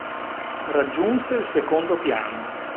Raggiunse il secondo piano.